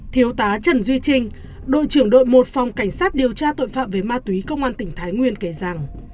thiếu tá trần duy trinh đội trưởng đội một phòng cảnh sát điều tra tội phạm về ma túy công an tỉnh thái nguyên kể rằng